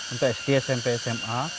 untuk sd smp sma